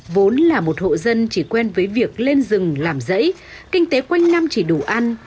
vốn là một hộ dân chỉ quen với việc lên rừng làm rẫy kinh tế quanh năm chỉ đủ ăn